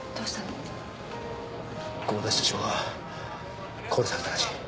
合田社長が殺されたらしい。